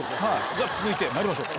じゃあ続いてまいりましょう。